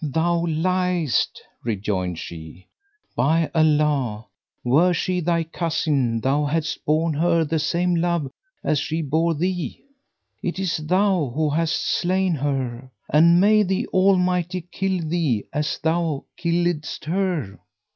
"Thou liest," rejoined she; "by Allah, were she thy cousin, thou hadst borne her the same love as she bore thee! It is thou who hast slain her and may the Almighty kill thee as thou killedst her!